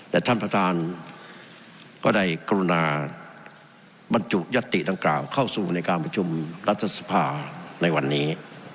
แต่ท่านประธานก็ได้กรุณาบรรจุยัตติดังกล่าวเข้าสู่ในการประชุมรัฐสภาในวันนี้